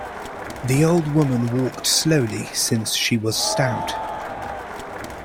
The old woman walked slowly, since she was stout.